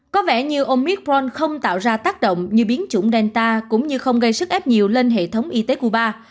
có vẻ như ôngicron không tạo ra tác động như biến chủng delta cũng như không gây sức ép nhiều lên hệ thống y tế cuba